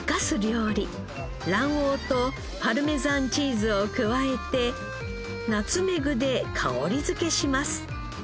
卵黄とパルメザンチーズを加えてナツメグで香りづけします。